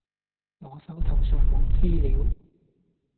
我手頭上冇資料